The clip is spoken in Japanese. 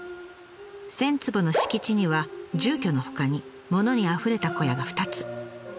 １，０００坪の敷地には住居のほかに物にあふれた小屋が２つ。